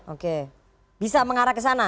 oke bisa mengarah ke sana